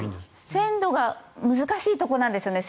鮮度が難しいところなんですよね。